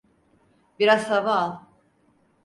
Biraz hava al.